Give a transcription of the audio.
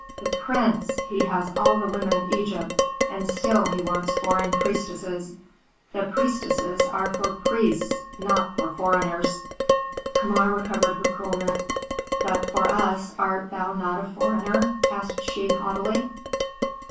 The prince! he has all the women of Egypt, and still he wants foreign priestesses. The priestesses are for priests, not for foreigners." Kama recovered her coolness. "But for us art thou not a foreigner?" asked she, haughtily.